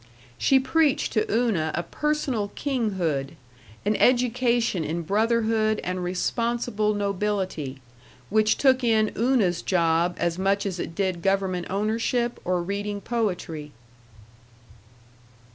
She preached to Una a personal kinghood, an education in brotherhood and responsible nobility, which took in Una's job as much as it did government ownership or reading poetry.